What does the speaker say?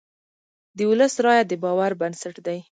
د ولس رایه د باور بنسټ دی.